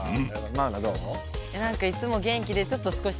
マウナどう？